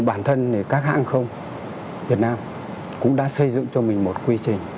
bản thân thì các hãng không việt nam cũng đã xây dựng cho mình một quy trình